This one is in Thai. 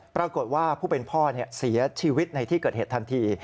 ปรากฏว่าผู้เป็นพ่อเสียชีวิตในที่เกิดเหตุทันที